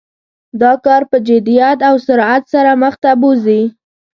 دا کار په جدیت او سرعت سره مخ ته بوزي.